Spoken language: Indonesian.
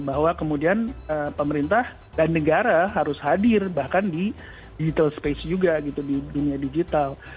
bahwa kemudian pemerintah dan negara harus hadir bahkan di digital space juga gitu di dunia digital